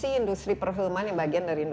akan tetap menjadi